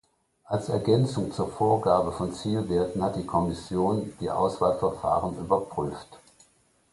Als Ergänzung zur Vorgabe von Zielwerten hat die Kommission die Auswahlverfahren überprüft.